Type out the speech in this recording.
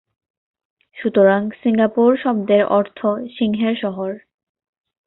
সুতরাং সিঙ্গাপুর শব্দের অর্থ সিংহের শহর।